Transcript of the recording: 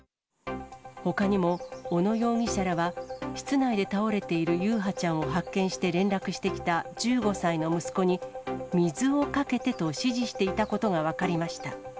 ほかにも、小野容疑者らは、室内で倒れている優陽ちゃんを発見して連絡してきた１５歳の息子に、水をかけてと指示していたことが分かりました。